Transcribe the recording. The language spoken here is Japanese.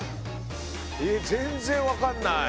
え全然わかんない！